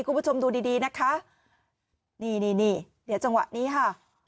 คุณผู้ชมดูดีดีนะคะนี่นี่เดี๋ยวจังหวะนี้ค่ะ